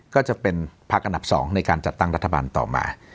ก็จะเป็นพักอันดับ๒ในการจัดตั้งรัฐบาลต่อมา